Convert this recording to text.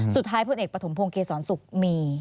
สุดท้ายผู้นเอกประถมพงษ์เกษรศุกร์มี